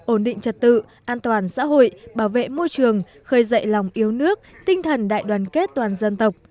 ổn định trật tự an toàn xã hội bảo vệ môi trường khơi dậy lòng yêu nước tinh thần đại đoàn kết toàn dân tộc